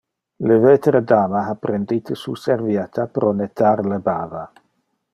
Le vetere dama ha prendite su servietta pro nettar le bava.